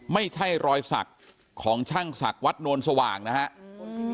ไม่ใช่รอยสักของช่างศักดิ์วัดโนนสว่างนะครับ